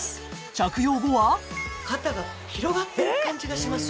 着用後は肩が広がってる感じがします